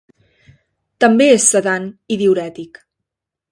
També és sedant i diürètic.